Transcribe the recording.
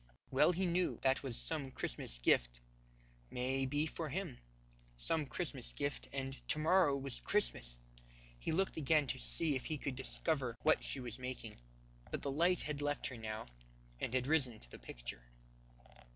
Well he knew that was some Christmas gift, may be for him, some Christmas gift, and to morrow was Christmas! He looked again to see if he could discover what she was making, but the light had left her now, and had risen to the Picture.